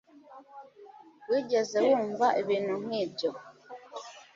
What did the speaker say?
Wigeze wumva ibintu nkibyo